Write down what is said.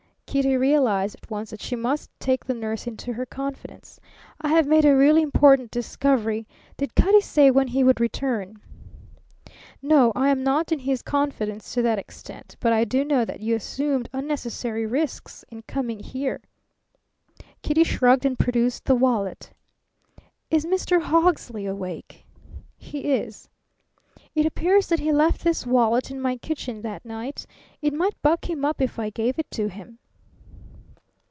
Kitty realized at once that she must take the nurse into her confidence. "I have made a really important discovery. Did Cutty say when he would return?" "No. I am not in his confidence to that extent. But I do know that you assumed unnecessary risks in coming here." Kitty shrugged and produced the wallet. "Is Mr. Hawksley awake?" "He is." "It appears that he left this wallet in my kitchen that night. It might buck him up if I gave it to him."